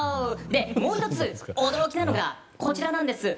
もう１つ、驚きなのがこちらなんです。